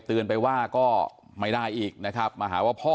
เตือนไปว่าก็ไม่ได้อีกนะครับมาหาว่าพ่อ